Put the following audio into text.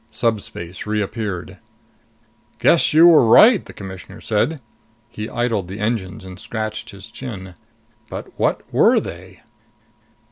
Subspace reappeared. "Guess you were right!" the Commissioner said. He idled the engines and scratched his chin. "But what were they?"